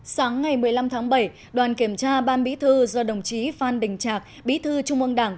sáng ngày một mươi năm tháng bảy đoàn kiểm tra ban bí thư do đồng chí phan đình trạc bí thư trung ương đảng